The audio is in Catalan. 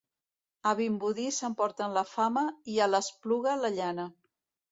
A Vimbodí s'emportaren la fama i a l'Espluga, la llana.